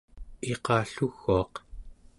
iqalluguaq